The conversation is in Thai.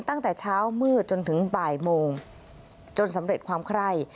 ตั้งแต่เช้ามืดจนถึงบ่ายโมงจนสำเร็จความไคร่